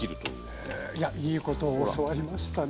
へえいやいいことを教わりましたね。